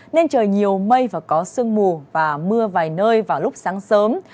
nên trời nhiều mây và có sương mù và mưa vài nơi vào lúc sáng sớm